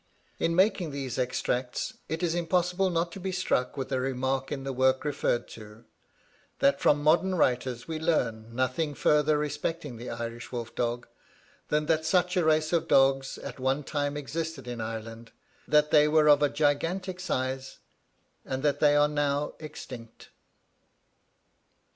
In making these extracts, it is impossible not to be struck with a remark in the work referred to, that from modern writers we learn nothing further respecting the Irish wolf dog, than that such a race of dogs at one time existed in Ireland, that they were of a gigantic size, and that they are now extinct.